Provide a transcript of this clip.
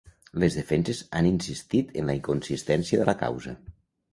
Les defenses han insistit en la inconsistència de la causa.